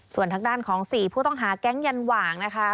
ส่วนทางด้านของ๔ผู้ต้องหาแก๊งยันหว่างนะคะ